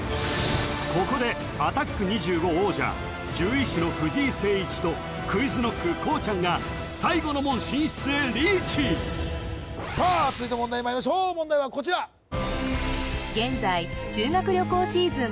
ここで「アタック２５」王者獣医師の藤井誠一とＱｕｉｚｋｎｏｃｋこうちゃんが最後の門進出へリーチさあ続いて問題まいりましょう問題はこちら現在修学旅行シーズン